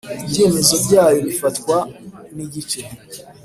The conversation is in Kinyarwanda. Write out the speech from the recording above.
Ibyemezo Byayo Bifatwa N Igice